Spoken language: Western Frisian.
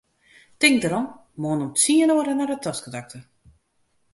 Tink derom, moarn om tsien oere nei de toskedokter.